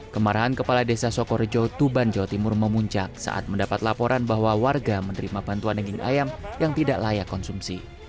kemarahan kepala desa sokorejo tuban jawa timur memuncak saat mendapat laporan bahwa warga menerima bantuan daging ayam yang tidak layak konsumsi